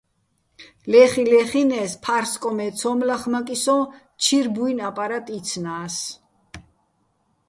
ლე́ხიჼ-ლეხინე́ს, ფა́რსკოჼ მე ცო́მ ლახმაკიჼ სოჼ, ჩირ ბუ́ჲნი̆ აპარატ იცნა́ს.